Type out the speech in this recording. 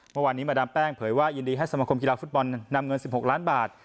เมื่อวานนี้มาดามแป้งเผยว่ายินดีให้สมคมกีฬาฟุตบอลนำเงิน๑๖ล้านบาท